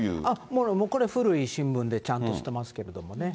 もうこれ、古い新聞で、ちゃんとしてますけれどもね。